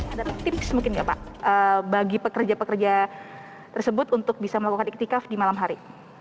ada tips mungkin nggak pak bagi pekerja pekerja tersebut untuk bisa melakukan iktikaf di malam hari